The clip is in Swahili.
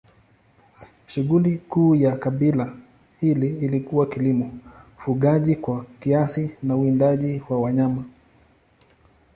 Shughuli kuu ya kabila hili ilikuwa kilimo, ufugaji kwa kiasi na uwindaji wa wanyama.